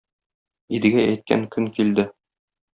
Идегәй әйткән көн килде.